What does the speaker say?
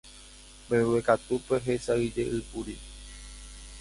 Mbeguekatúpe hesãijeýkuri.